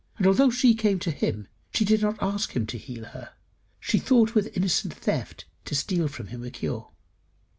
Although she came to him, she did not ask him to heal her. She thought with innocent theft to steal from him a cure.